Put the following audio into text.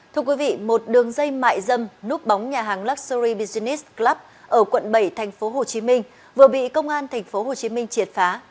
thưa quý vị một đường dây mại dâm núp bóng nhà hàng luxury business club ở quận bảy tp hcm vừa bị công an tp hcm triệt phá